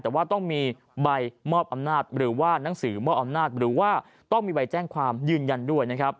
แต่ว่าต้องมีใบเจ้งความยืนยันด้วย